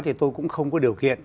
thì tôi cũng không có điều kiện